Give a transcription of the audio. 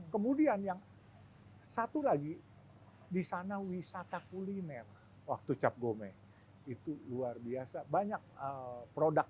kemudian yang satu lagi di sana wisata kuliner waktu cap gome itu luar biasa banyak produk